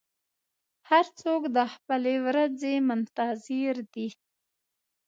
هر څوک د خپلې ورځې منتظر دی.